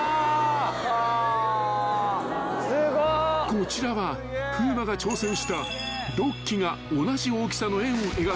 ［こちらは風磨が挑戦した６機が同じ大きさの円を描く］